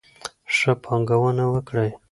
ښه پانګونه وکړئ.